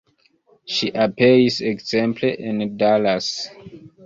Ŝi aperis ekzemple en Dallas.